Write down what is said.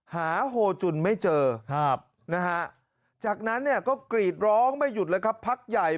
หาโฮจุนไม่เจอจากนั้นก็กรีดร้องไม่หยุดเลยครับพักใหญ่